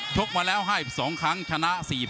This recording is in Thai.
ชกมาแล้ว๕๒ครั้งชนะ๔๓ครั้ง